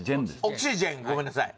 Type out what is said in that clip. オキシジェンごめんなさい